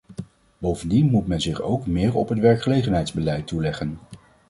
Bovendien moet men zich ook meer op het werkgelegenheidsbeleid toeleggen.